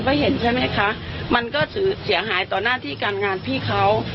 ก็เห็นใช่ไหมคะมันก็เสียหายต่อหน้าที่การงานพี่เขา